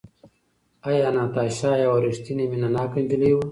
ایا ناتاشا یوه ریښتینې مینه ناکه نجلۍ وه؟